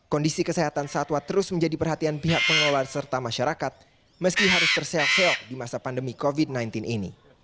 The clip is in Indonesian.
kondisi kesehatan satwa terus menjadi perhatian pihak pengelola serta masyarakat meski harus terseok seok di masa pandemi covid sembilan belas ini